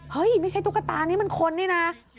เฮ้ยไม่ใช่ตุ๊กตานี่มันคนนี่นะ